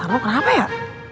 pak tarno kenapa ya